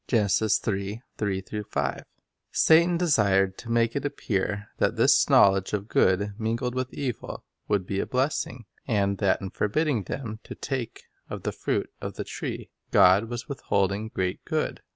1 Satan desired to make it appear that this knowledge of good mingled with evil would be a blessing, and that in forbidding them to take of the fruit of the tree, God was withholding great good.